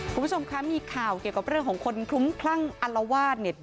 คุณผู้ชมคะมีข่าวเกี่ยวกับเรื่องของคนคลุ้มคลั่งอัลวาสเนี่ย